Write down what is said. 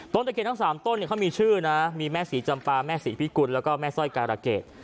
ตะเกดทั้ง๓ต้นเขามีชื่อนะมีแม่ศรีจำปาแม่ศรีพิกุลแล้วก็แม่สร้อยการะเกด